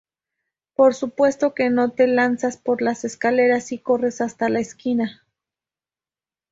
Por supuesto que no; te lanzas por las escaleras y corres hasta la esquina.